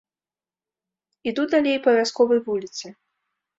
Іду далей па вясковай вуліцы.